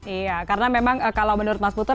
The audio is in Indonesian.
iya karena memang kalau menurut mas puter